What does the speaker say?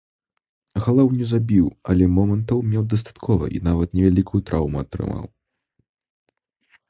Галоў не забіў, але момантаў меў дастаткова і нават невялікую траўму атрымаў.